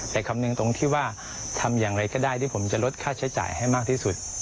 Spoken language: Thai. แต่คำนึงตรงที่ว่าทำอย่างไรก็ได้ที่ผมจะลดค่าใช้จ่ายให้มากที่สุด